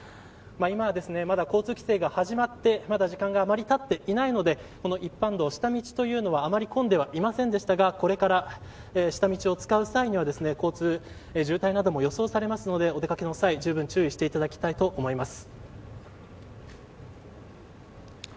今、交通規制が始まってまだ時間があまり経っていないので一般道、下道というのはあまり混んではいませんでしたがこれから下道を使う際には渋滞なども予想されますのでお出かけの際十分注意していただきたいと思います。